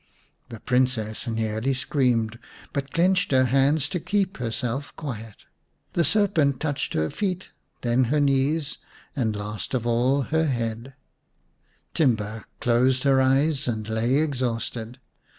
The Princess nearly screamed, but clenched her hands to keep herself quiet. The serpent touched her feet, then her knees, and last of all her head. 96 The Serpent's Bride Timba closed tier eyes and lay exhausted.